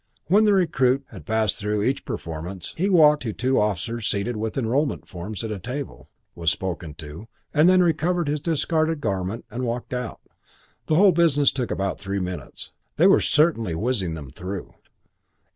When the recruit had passed through each performance he walked to two officers seated with enrolment forms at a table, was spoken to, and then recovered his discarded garment and walked out. The whole business took about three minutes. They were certainly whizzing them through.